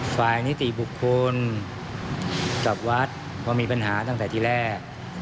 นิติบุคคลกับวัดเพราะมีปัญหาตั้งแต่ที่แรก